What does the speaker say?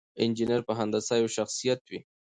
انجينر په هندسه پوه شخصيت وي.